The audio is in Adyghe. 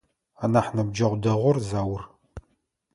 Анахь ныбджэгъу дэгъур Заур.